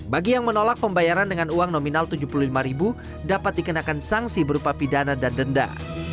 bagi yang menolak pembayaran dengan uang nominal rp tujuh puluh lima dapat dikenakan sanksi berupa pidana dan denda